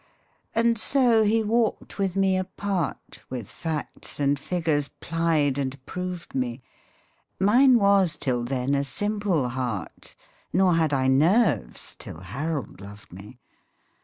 And so he walked with me apart, With facts and figures plied and proved me. Mine was till then a simple heart, Nor had I nerves till Harold loved me.